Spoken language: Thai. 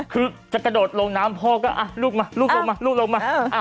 คือจะกระโดดลงน้ำพอก็ลูกลงมา